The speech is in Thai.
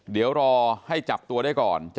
เดี๋ยวรอให้จับตัวได้ก่อน